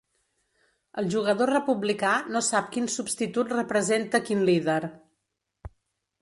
El jugador republicà no sap quin substitut representa quin líder.